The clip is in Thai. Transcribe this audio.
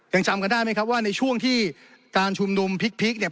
ยังจำกันได้ไหมครับว่าในช่วงที่การชุมนุมพลิกเนี่ย